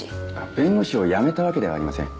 弁護士を辞めたわけではありません。